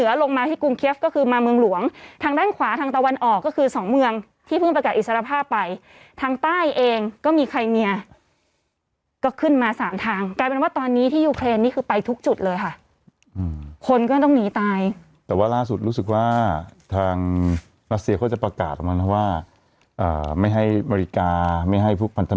ลงมาที่กรุงเคียฟก็คือมาเมืองหลวงทางด้านขวาทางตะวันออกก็คือสองเมืองที่เพิ่งประกาศอิสรภาพไปทางใต้เองก็มีใครเมียก็ขึ้นมาสามทางกลายเป็นว่าตอนนี้ที่ยูเครนนี่คือไปทุกจุดเลยค่ะอืมคนก็ต้องหนีตายแต่ว่าล่าสุดรู้สึกว่าทางรัสเซียเขาจะประกาศออกมานะว่าอ่าไม่ให้บริการไม่ให้พวกพันธ